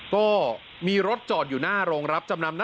ก็มีรถจอดอยู่หน้าโรงรับจำนำ